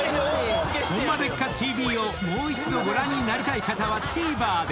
［『ホンマでっか⁉ＴＶ』をもう一度ご覧になりたい方はＴＶｅｒで！］